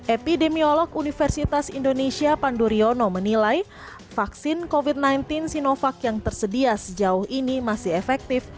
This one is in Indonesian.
epidemiolog universitas indonesia pandu riono menilai vaksin covid sembilan belas sinovac yang tersedia sejauh ini masih efektif